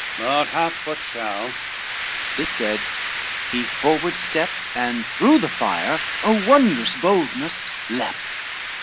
But hap what shall;" this said, he forward stepped, And through the fire, oh wondrous boldness, leapt!